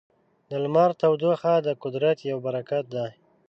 د لمر تودوخه د قدرت یو برکت دی.